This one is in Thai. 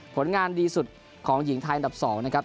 ผลงานดีสุดของหญิงไทยอันดับ๒นะครับ